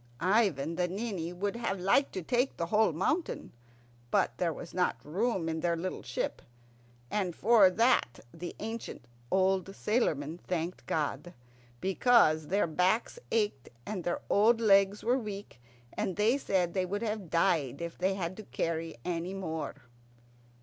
Ivan the Ninny would have liked to take the whole mountain, but there was not room in the little ship. And for that the ancient old sailormen thanked God, because their backs ached and their old legs were weak, and they said they would have died if they had had to carry any more.